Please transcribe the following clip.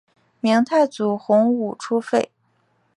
明太祖洪武初废。